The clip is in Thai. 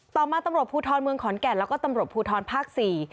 ต่อมาตำรวจภูทรเมืองขอนแก่นแล้วก็ตำรวจภูทรภาคสี่